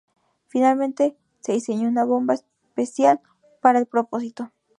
Finalmente, se diseñó una bomba especial para el propósito.